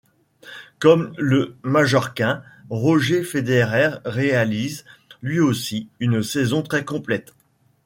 Comme le Majorquin, Roger Federer réalise, lui aussi, une saison très complète.